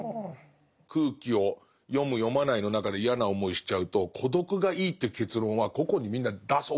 空気を読む読まないの中で嫌な思いしちゃうと孤独がいいって結論は個々にみんな出す。